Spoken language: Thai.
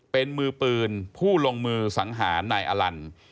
เป็นมือปืนผู้ลงมือสังหารนายอลัน